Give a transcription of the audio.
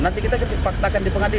nanti kita paksakan di pengadilan